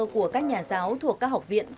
của các nhà giáo thuộc các học viện